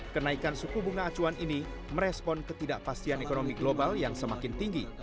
kenaikan suku bunga acuan ini merespon ketidakpastian ekonomi global yang semakin tinggi